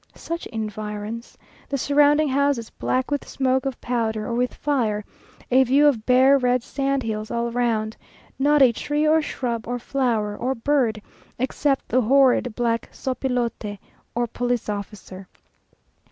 Such environs! the surrounding houses black with smoke of powder or with fire a view of bare red sandhills all round not a tree, or shrub, or flower, or bird, except the horrid black sopilote, or police officer.